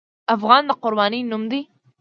افغان د قربانۍ نوم دی.